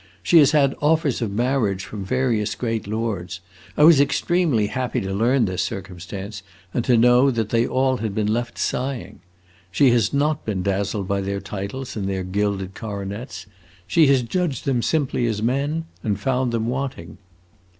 She has had offers of marriage from various great lords. I was extremely happy to learn this circumstance, and to know that they all had been left sighing. She has not been dazzled by their titles and their gilded coronets. She has judged them simply as men, and found them wanting.